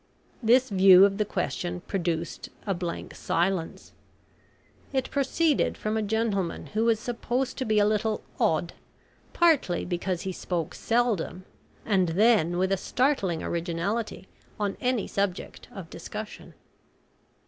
This view of the question produced a blank silence. It proceeded from a gentleman who was supposed to be a little "odd" partly because he spoke seldom, and then with a startling originality, on any subject of discussion.